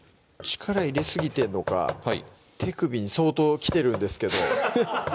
力入れすぎてんのか手首に相当きてるんですけど